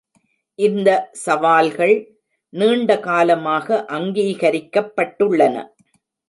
இந்த சவால்கள் நீண்டகாலமாக அங்கீகரிக்கப்பட்டுள்ளன.